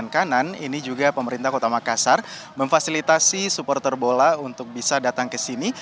terima kasih supporter bola untuk bisa datang ke sini